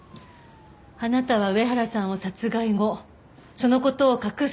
あなたは上原さんを殺害後その事を隠すために。